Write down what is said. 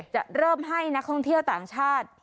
จะเริ่มให้นักท่องเที่ยวต่างชาติ